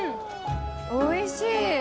おいしい。